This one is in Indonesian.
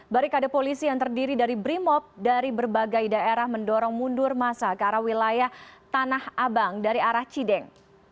barikade polisi yang terdiri dari brimop dari berbagai daerah mendorong mundur masa ke arah wilayah tanah abang dari arah cideng